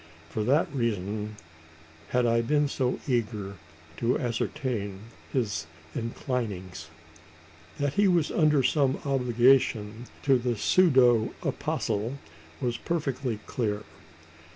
For that reason had I been so eager to ascertain his inclinings. That he was under some obligation to the pseudo apostle was perfectly clear.